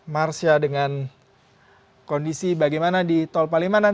marsha dengan kondisi bagaimana di tol palimanan